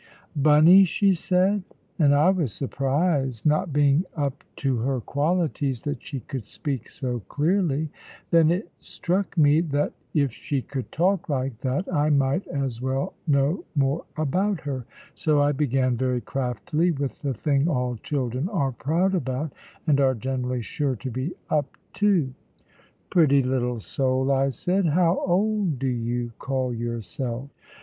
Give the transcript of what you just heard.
'" "Bunny!" she said; and I was surprised, not being up to her qualities, that she could speak so clearly. Then it struck me that if she could talk like that I might as well know more about her. So I began, very craftily, with the thing all children are proud about, and are generally sure to be up to. "Pretty little soul," I said, "how old do you call yourself?"